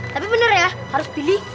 tapi benar ya harus pilih